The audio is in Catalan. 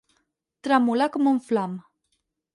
Tremolar com un flam.